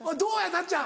なっちゃん。